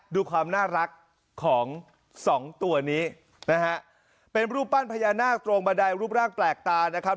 ดูความน่ารักของสองตัวนี้นะฮะเป็นรูปปั้นพญานาคตรงบันไดรูปร่างแปลกตานะครับ